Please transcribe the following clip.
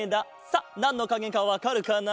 さあなんのかげかわかるかな？